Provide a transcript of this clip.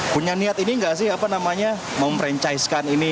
punya niat ini gak sih apa namanya memfranchise kan ini